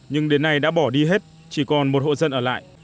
nhưng đến nay đã bỏ đi hết chỉ còn một hộ dân ở lại